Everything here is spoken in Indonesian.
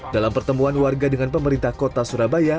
dalam pertemuan warga dengan pemerintah kota surabaya